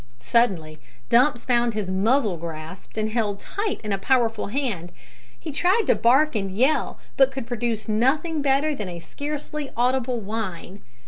Suddenly Dumps found his muzzle grasped and held tight in a powerful hand. He tried to bark and yell, but could produce nothing better than a scarcely audible whine.